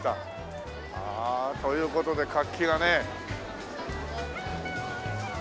あという事で活気がね。